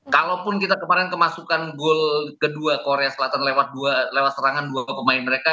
kalaupun kita kemarin kemasukan gol kedua korea selatan lewat serangan dua pemain mereka